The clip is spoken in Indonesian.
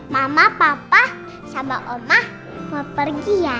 mama papa sama oma mau pergi ya